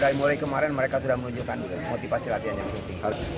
dari mulai kemarin mereka sudah menunjukkan motivasi latihan yang penting